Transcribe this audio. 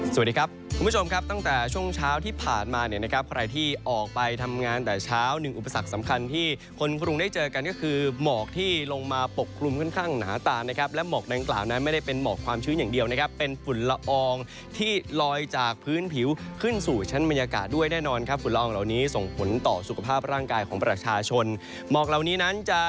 สวัสดีครับคุณผู้ชมครับตั้งแต่ช่วงเช้าที่ผ่านมาเนี่ยนะครับใครที่ออกไปทำงานแต่เช้าหนึ่งอุปสรรคสำคัญที่คนกรุงได้เจอกันก็คือหมอกที่ลงมาปกคลุมค่อนข้างหนาตานะครับและหมอกดังกล่าวนั้นไม่ได้เป็นหมอกความชื้นอย่างเดียวนะครับเป็นฝุ่นละอองที่ลอยจากพื้นผิวขึ้นสู่ชั้นบรรยากาศด้วยแน่นอนครับฝุ่นละอองเหล่านี้ส่งผลต่อสุขภาพร่างกายของประชาชนหมอกเหล่านี้นั้นจะ